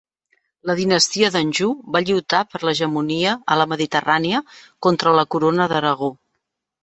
La dinastia d'Anjou va lluitar per l'hegemonia a la Mediterrània contra la Corona d'Aragó.